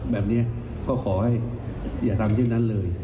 แบบนี้ก็ขอให้อย่าทำเช่นนั้นเลย